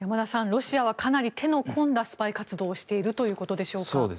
ロシアはかなり手の込んだスパイ活動をしているということでしょうか。